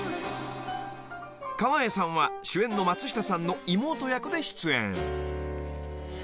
［川栄さんは主演の松下さんの妹役で出演］